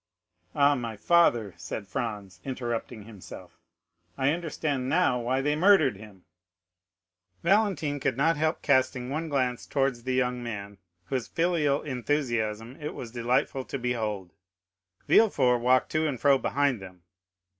'" "Ah, my father!" said Franz, interrupting himself. "I understand now why they murdered him." Valentine could not help casting one glance towards the young man, whose filial enthusiasm it was delightful to behold. Villefort walked to and fro behind them.